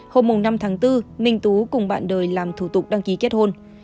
hôm năm tháng bốn minh tú cùng bạn đời làm thủ tục đăng ký kết hôn